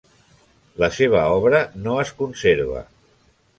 La seva obra no es conserva.